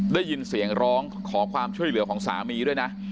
ได้ยินเสียงร้องขอความช่วยเหลือของสามีด้วยนะ